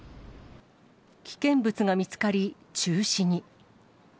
危険物が見つかり、中止に。